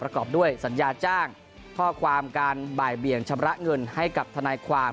ประกอบด้วยสัญญาจ้างข้อความการบ่ายเบี่ยงชำระเงินให้กับทนายความ